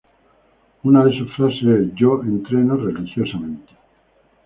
Una de sus frases es: "Yo entreno religiosamente.